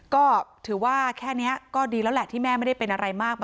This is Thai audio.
ก็ถือว่าแค่นี้ก็ดีแล้วแหละที่แม่ไม่ได้เป็นอะไรมาก